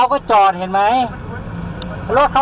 ก็เป็นอีกหนึ่งเหตุการณ์ที่เกิดขึ้นที่จังหวัดต่างปรากฏว่ามีการวนกันไปนะคะ